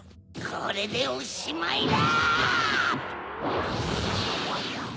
これでおしまいだ！